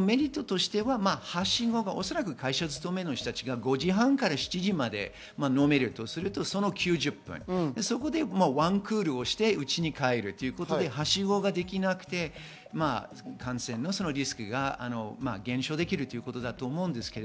メリットとしては会社勤めの人たちが５時半から７時まで飲めるとすると、その９０分でワンクールして家に帰るということで、はしごできなくて感染リスクが減少できるということだと思います。